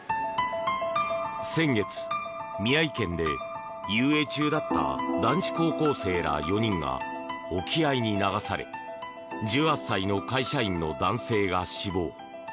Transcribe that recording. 先月、宮城県で遊泳中だった男子高校生ら４人が沖合に流され１８歳の会社員の男性が死亡。